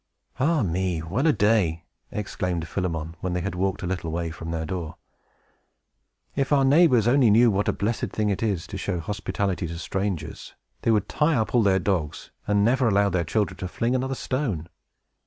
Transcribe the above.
"Ah me! Well a day!" exclaimed Philemon, when they had walked a little way from their door. "If our neighbors only knew what a blessed thing it is to show hospitality to strangers, they would tie up all their dogs, and never allow their children to fling another stone."